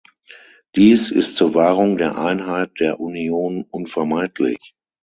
Dies ist zur Wahrung der Einheit der Union unvermeidlich.